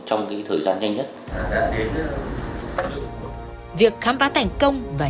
trong cái thời gian nhanh nhất việc khám phá thành công và